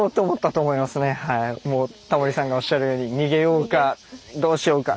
タモリさんがおっしゃるように逃げようかどうしようか。